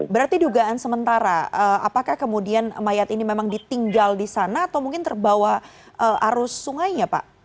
berarti dugaan sementara apakah kemudian mayat ini memang ditinggal di sana atau mungkin terbawa arus sungainya pak